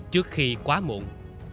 trước khi quá muộn